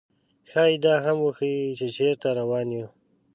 ښايي دا هم وښيي، چې چېرته روان یو.